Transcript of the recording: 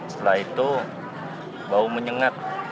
setelah itu bau menyengat